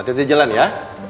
hati hati jalan ya